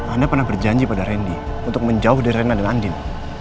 anda pernah berjanji pada randy untuk menjauh dari renna dengan andin